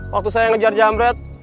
waktu saya ngejar jamret